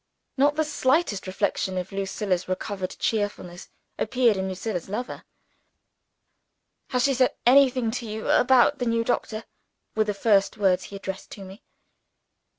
Not the slightest reflection of Lucilla's recovered cheerfulness appeared in Lucilla's lover. "Has she said anything to you about the new doctor?" were the first words he addressed to me.